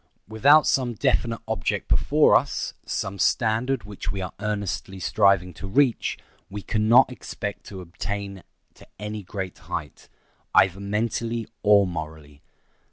Without some definite object before us, some standard which we are earnestly striving to reach, we can not expect to attain to any great height, either mentally or morally.